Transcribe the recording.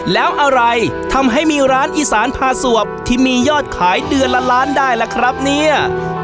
แล้วอะไรทำให้มีร้านอีสานพาสวบที่มียอดขายเดือนละล้านได้ล่ะครับเนี่ย